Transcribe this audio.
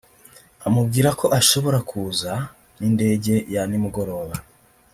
amubwira ko ashobora kuza n’indege ya nimugoroba